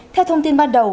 theo thông tin ban đầu